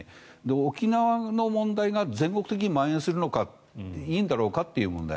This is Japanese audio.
沖縄の問題が全国的にまん延するのかいいんだろうかという問題。